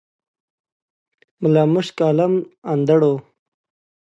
ملا مُشک عالَم اندړ وو